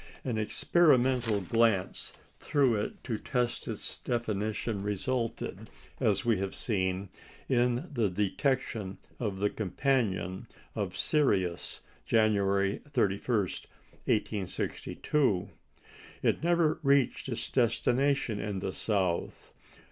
An experimental glance through it to test its definition resulted, as we have seen, in the detection of the companion of Sirius, January 31, 1862. It never reached its destination in the South.